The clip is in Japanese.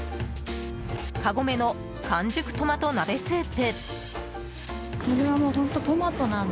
カゴメの甘熟トマト鍋スープ。